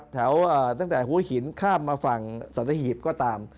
ตั้งแต่หัวหินข้ามมาฝั่งสัตหีบก็ตาม